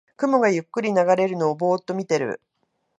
雲がゆっくり流れるのをぼーっと見てる